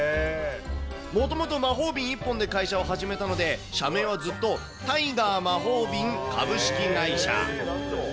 もともと魔法瓶一本で会社を始めたので、社名はずっと、タイガー魔法瓶株式会社。